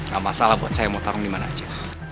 gak masalah buat saya mau tarung dimana aja